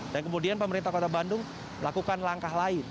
dan kemudian pemerintah kota bandung lakukan langkah lain